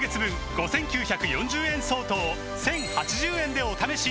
５，９４０円相当を１，０８０円でお試しいただけます